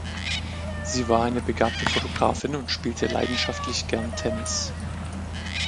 Sie war eine begabte Fotografin und spielte leidenschaftlich gern Tennis.